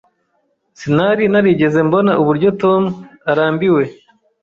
Sinari narigeze mbona uburyo Tom arambiwe.